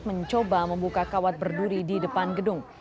mencoba membuka kawat berduri di depan gedung